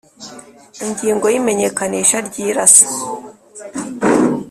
Ingingo ya Imenyekanisha ry irasa